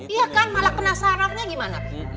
iya kan malah kena sarangnya gimana